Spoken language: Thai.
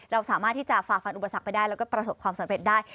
เราสามารถที่จะฝ่าฟันอุปสรรคไปได้แล้วก็ประสบความสำเร็จได้